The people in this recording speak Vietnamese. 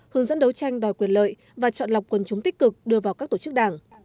hướng dẫn đấu tranh đòi quyền lợi và chọn lọc quân chúng tích cực đưa vào các tổ chức đảng